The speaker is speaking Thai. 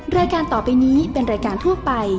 รายการต่อไปนี้เป็นรายการทั่วไป